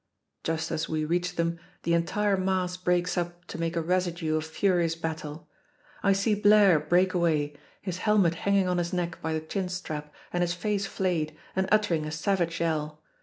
Just as we reach them the entire mass breaks up to make a residue of furious battle. I see Blaire break away, his helmet hanging on his neck by the chin strap and his face flayed, and uttering a savage yell.